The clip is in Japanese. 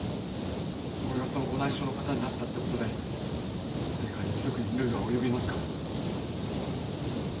俺がそのご内証の方になったってことで何か一族に累は及びますか。